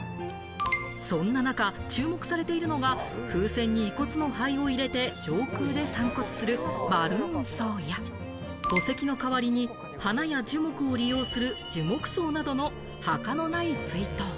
そんな中、注目されているのが風船に遺骨の灰を入れて、上空で散骨するバルーン葬や墓石の代わりに花や樹木を利用する樹木葬などの墓のない追悼。